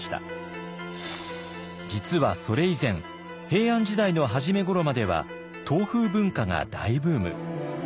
実はそれ以前平安時代の初めごろまでは唐風文化が大ブーム。